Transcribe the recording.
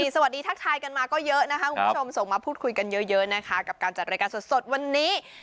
สวัสดีทักทายกันมาก็เยอะนะคะคุณผู้ชมส่งมาพูดคุยกันเยอะนะคะกับการจัดรายการสดวันนี้